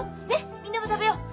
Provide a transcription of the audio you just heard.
みんなも食べよう。ね！